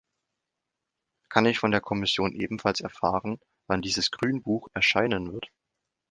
Kann ich von der Kommission ebenfalls erfahren, wann dieses Grünbuch erscheinen wird?